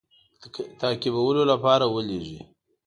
د تعقیبولو لپاره ولېږي.